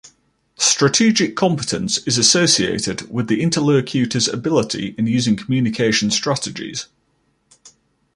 Strategic competence is associated with the interlocutors' ability in using communication strategies.